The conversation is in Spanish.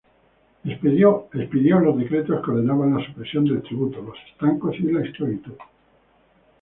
Expidió los decretos que ordenaban la supresión del tributo, los estancos y la esclavitud.